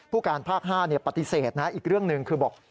การภาค๕ปฏิเสธนะอีกเรื่องหนึ่งคือบอก